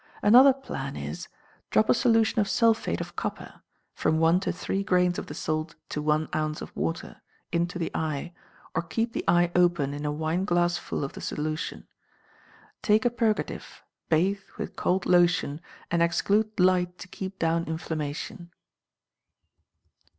Another plan is Drop a solution of sulphate of copper (from one to three grains of the salt to one ounce of water) into the eye, or keep the eye open in a wineglassful of the solution. Take a purgative, bathe with cold lotion, and exclude light to keep down inflammation.